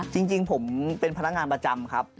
จริงผมเป็นพนักงานประจำครับ